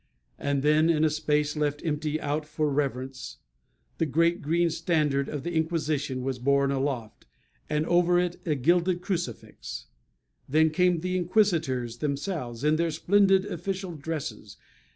And then, in a space left empty out of reverence, the great green standard of the Inquisition was borne aloft, and over it a gilded crucifix. Then came the Inquisitors themselves, in their splendid official dresses.